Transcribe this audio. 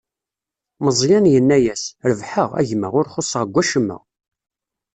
Meẓyan yenna-as: Rebḥeɣ, a gma, ur xuṣṣeɣ deg wacemma.